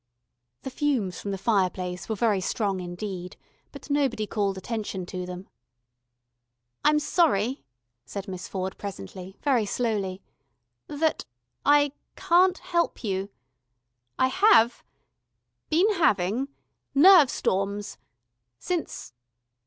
The fumes from the fireplace were very strong indeed, but nobody called attention to them. "I'm sorry, ..." said Miss Ford presently, very slowly, "that ... I ... can't help you. I have ... been having ... nerve storms ... since